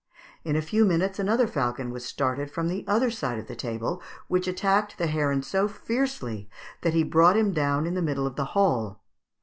In a few minutes another falcon was started from the other side of the table, which attacked the heron so fiercely that he brought him down in the middle of the hall.